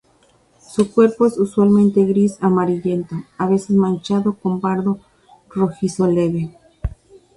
Su cuerpo es usualmente gris amarillento, a veces manchado con pardo rojizo leve.